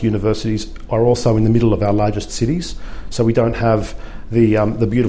universitas terbesar kita juga berada di tengah tengah kota terbesar kita